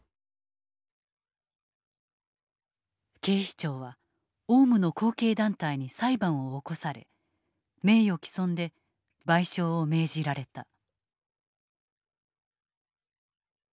警視庁はオウムの後継団体に裁判を起こされ名誉毀損で賠償を命じられた。